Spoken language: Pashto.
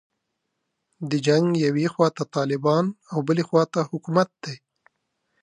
د جنګ یوې خواته طالبان او بلې خواته حکومت دی.